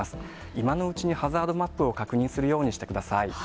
今のうちにハザードマップを確認するようにしてください。